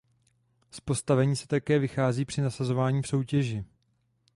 Z postavení se také vychází při nasazování v soutěži.